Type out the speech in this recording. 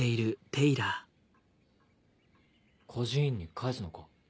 孤児院に帰すのか？